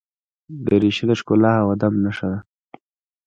دریشي د ښکلا او ادب نښه ده.